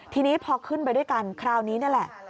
ทีนี้พอขึ้นไปด้วยกันคราวนี้นี่แหละ